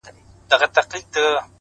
• پرې کوي غاړي د خپلو اولادونو,